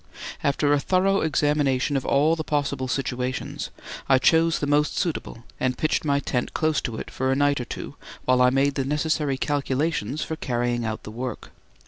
After a thorough examination of all the possible situations, I chose the most suitable and pitched my tent close to it for a night or two while I made the necessary calculations for carrying out the work.